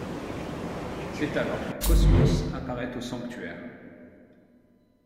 C’est alors qu’un Cosmos apparaît au Sanctuaire.